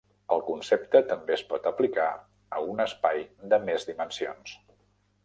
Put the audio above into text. El concepte també es pot aplicar a un espai de més dimensions.